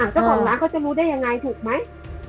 เจ้าของร้านเขาจะรู้ได้ยังไงถูกไหม